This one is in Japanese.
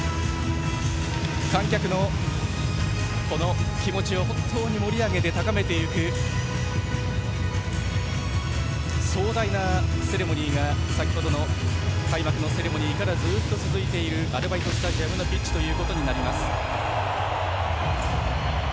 観客のこの気持ちを本当に盛り上げて高めていく壮大なセレモニーが先程の開幕のセレモニーからずっと続いているアルバイトスタジアムのピッチです。